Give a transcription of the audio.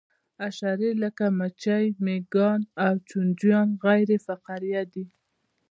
حشرې لکه مچۍ مېږیان او چینجیان غیر فقاریه دي